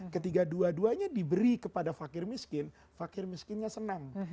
ketika dua duanya diberi kepada fakir miskin fakir miskinnya senang